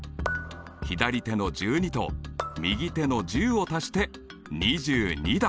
左手の１２と右手の１０を足して２２だ。